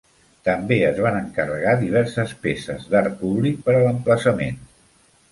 També es van encarregar diverses peces d'art públic per a l'emplaçament.